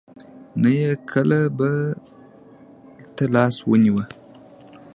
نه یې کله بل ته لاس ونېوه.